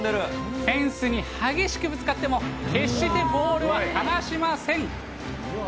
フェンスに激しくぶつかっても、決してボールは放しません。